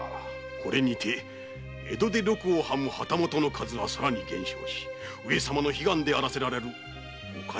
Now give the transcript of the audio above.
これにて江戸で禄を喰む旗本の数はさらに減少し上様の悲願であらせられるご改革の成果は一段と。